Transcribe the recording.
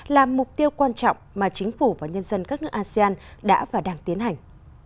là mục tiêu quan trọng mà chính phủ và nhân dân các nước asean đã và đang tiến hành